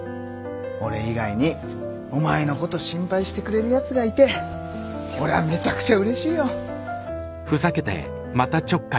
俺以外にお前のこと心配してくれるやつがいて俺はめちゃくちゃうれしいよ。